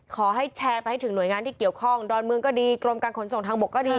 แชร์ไปให้ถึงหน่วยงานที่เกี่ยวข้องดอนเมืองก็ดีกรมการขนส่งทางบกก็ดี